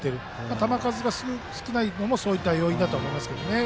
球数が少ないのもそういったことが要因だと思います。